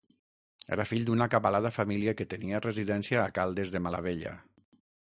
Era fill d'una acabalada família que tenia residència a Caldes de Malavella.